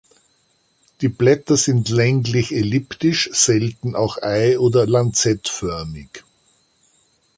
Die Blätter sind länglich-elliptisch, selten auch ei- oder lanzettförmig.